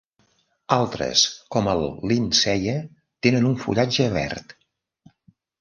Altres, com el "Lindsayae", tenen un fullatge verd.